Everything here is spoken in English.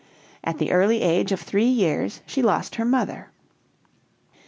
At the early age of three years she lost her mother.